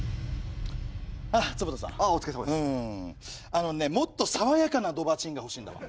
あのねもっと爽やかな「ドバチン」が欲しいんだわ。